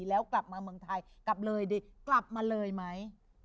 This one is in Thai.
แล้วกลับมาเมืองไทยกลับเลยดิกลับมาเลยไหม